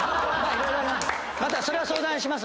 それは相談します